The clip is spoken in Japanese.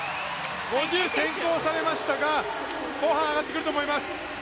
５０、先攻されましたが、後半上がってくると思います。